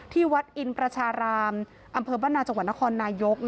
ที่วัดอินประชารามอำเภอบ้านนาจังหวัดนครนายก